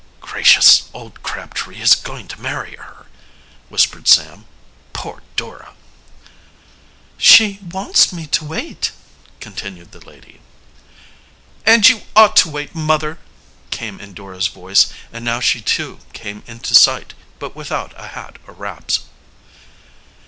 "Gracious, old Crabtree is going to marry her!" whispered Sam. "Poor Dora!" "She wants me to wait," continued the lady. "And you ought to wait, mother," came in Dora's voice; and now she too came into sight, but without a hat or wraps.